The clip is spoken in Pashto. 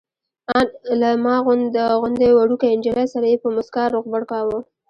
ان له ما غوندې وړوکې نجلۍ سره یې په موسکا روغبړ کاوه.